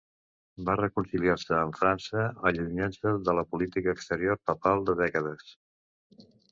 Va reconciliar-se amb França, allunyant-se de la política exterior papal de dècades.